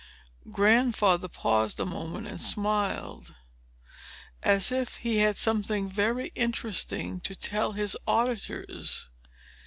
Grandfather paused a moment, and smiled, as if he had something very interesting to tell his auditors.